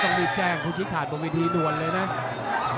ต้องรีบแจ้งผู้ชี้ขาดบนวิธีด่วนเลยนะ